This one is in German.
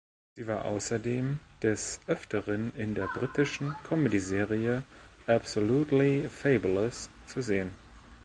Sie war außerdem des Öfteren in der britischen Comedyserie "Absolutely Fabulous" zu sehen.